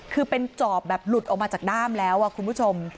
คือเป็นจอบแบบหลุดออกมาจากด้ามแล้วคุณผู้ชม